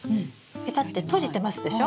ペタッて閉じてますでしょ？